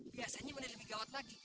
biasanya mulai lebih gawat lagi